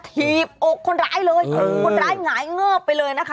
บอกคนร้ายเลยคนร้ายหงายเงิบไปเลยนะคะ